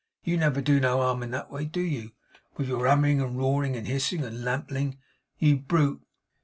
YOU never do no harm in that way, do you? With your hammering, and roaring, and hissing, and lamp iling, you brute!